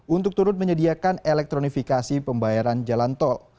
untuk turut menyediakan elektronifikasi pembayaran jalan tol